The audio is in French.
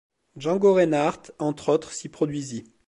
Django Reinhardt, entre autres, s'y produisit.